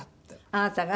あなたが？